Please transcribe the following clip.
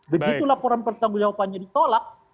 begitu laporan pertanggung jawabannya ditolak